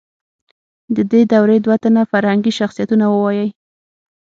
د دې دورې دوه تنه فرهنګي شخصیتونه ووایئ.